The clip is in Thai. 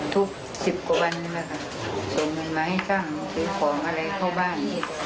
ทุก๑๐กว่าวันส่งเงินมาให้ตั้งของอะไรเข้าบ้าน